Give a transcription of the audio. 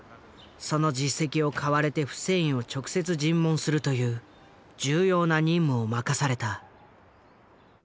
その実績を買われてフセインを直接尋問するという重要な任務を任された。